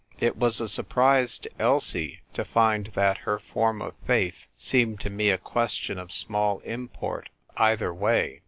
It was a surprise to Elsie to find that her form of faith seemed to me a question of small import either way.